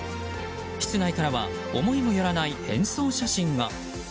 室内からは思いもよらない変装写真が。